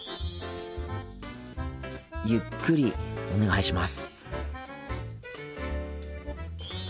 ゆっくりお願いします。